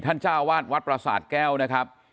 ท่านเจ้าวาสวัดปราศาสตร์แก้วนะครับ